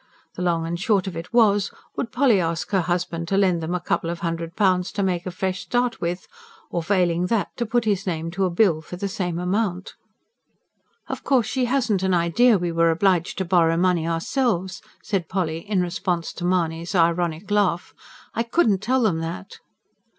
The long and short of it was: would Polly ask her husband to lend them a couple of hundred pounds to make a fresh start with, or failing that to put his name to a bill for the same amount? "Of course she hasn't an idea we were obliged to borrow money ourselves," said Polly in response to Mahony's ironic laugh. "I couldn't tell them that."